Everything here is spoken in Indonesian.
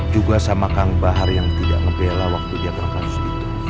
juga sama kang bahar yang tidak ngebela waktu dia dalam kasus itu